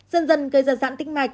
dần dần gây ra giãn tích mạch